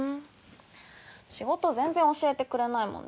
仕事全然教えてくれないもんね。